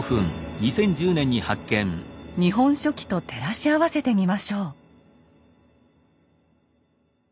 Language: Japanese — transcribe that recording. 「日本書紀」と照らし合わせてみましょう。